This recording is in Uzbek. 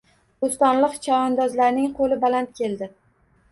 Bo‘stonliqlik chavandozlarning qo‘li baland kelding